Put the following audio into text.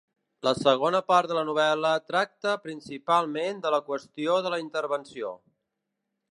La segona part de la novel·la tracta principalment de la qüestió de la intervenció.